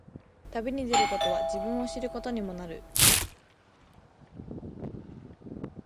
旅に出ることは、自分を知ることにもなる。